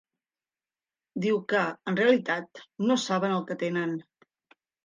Diu que, en realitat, no saben el que tenen.